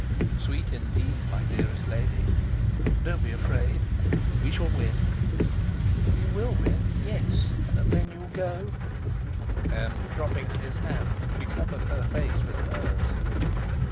"Sweet indeed, my dearest lady. Don't be afraid: we shall win." "You will win, yes. And then you'll go?" And, dropping his hand, she covered her face with hers.